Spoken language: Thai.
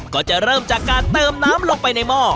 ก็จะเริ่มจากการเติมน้ำลงไปในหม้อ